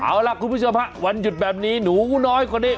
เอาล่ะคุณผู้ชมฮะวันหยุดแบบนี้หนูน้อยคนนี้